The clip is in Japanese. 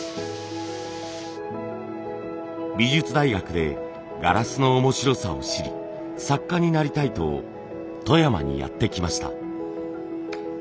美術大学でガラスの面白さを知り作家になりたいと富山にやって来ました。